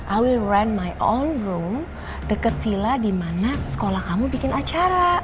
i will rent my own room deket villa dimana sekolah kamu bikin acara